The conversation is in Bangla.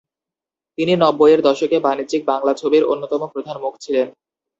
তিনি নব্বইয়ের দশকে বাণিজ্যিক বাংলা ছবির অন্যতম প্রধান মুখ ছিলেন।